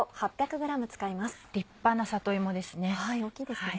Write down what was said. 立派な里芋ですね。